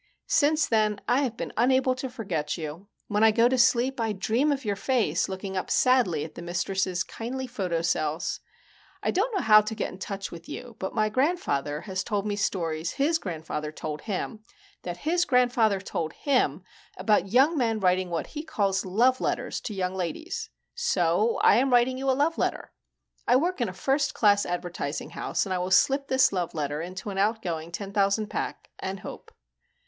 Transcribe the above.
_ _Since then I have been unable to forget you. When I go to sleep, I dream of your face looking up sadly at the mistress's kindly photocells. I don't know how to get in touch with you, but my grandfather has told me stories his grandfather told him that his grandfather told him about young men writing what he calls love letters to young ladies. So I am writing you a love letter._ _I work in a first class advertising house and I will slip this love letter into an outgoing ten thousand pack and hope.